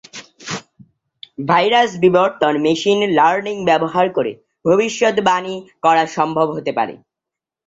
Virus বিবর্তন machine learning ব্যবহার করে ভবিষ্যদ্বাণী করা সম্ভব হতে পারে।